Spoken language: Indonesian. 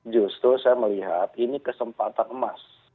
justru saya melihat ini kesempatan emas